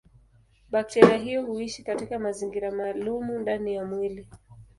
Bakteria hiyo huishi katika mazingira maalumu ndani ya mwili.